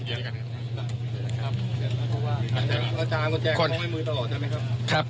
อาจารย์ก็แจ้งของให้มือตลอดใช่ไหมครับ